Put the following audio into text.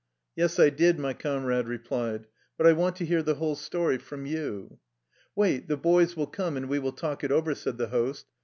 "Yes, I did/' my comrade replied; "but I want to hear the whole story from you." "Wait, the boys will come, and we will talk it over," said the host.